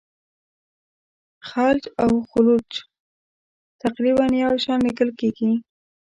خلج او خُلُّخ تقریبا یو شان لیکل کیږي.